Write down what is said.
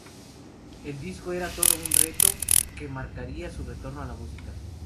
El disco era todo un reto que marcaría su retorno a la música.